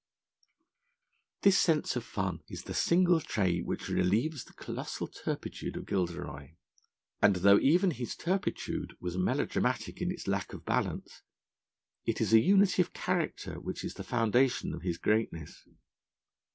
This sense of fun is the single trait which relieves the colossal turpitude of Gilderoy. And, though even his turpitude was melodramatic in its lack of balance, it is a unity of character which is the foundation of his greatness.